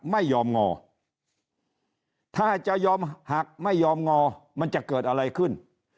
ไม่ยอมงอถ้าจะยอมหักไม่ยอมงอมันจะเกิดอะไรขึ้น